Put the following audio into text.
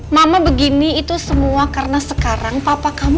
mama begini itu semua karena sekarang papa kamu